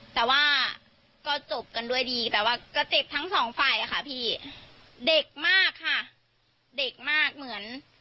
แต่ว่าก็จบกันด้วยดีแต่ว่าก็เจ็บทั้งสองฝ่ายอะค่ะพี่เด็กมากค่ะเด็กมากเหมือน